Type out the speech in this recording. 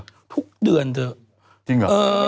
ก็รูดยังไม่มีเงินกินไงเธอ